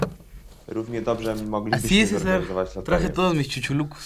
Równie dobrze moglibyśmy zorganizować loterię